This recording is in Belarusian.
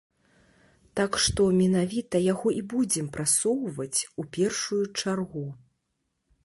Так што, менавіта яго і будзем прасоўваць у першую чаргу.